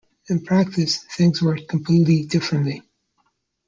In practice, things worked completely differently.